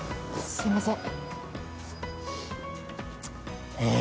すいません！